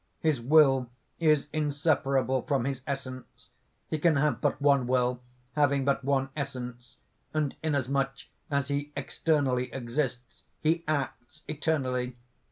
"His will is inseparable from his essence. He can have but one will, having but one essence; and inasmuch as he externally exists, he acts eternally.